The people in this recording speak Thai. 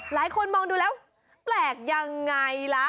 หลายคนมองดูแล้วแปลกยังไงล่ะ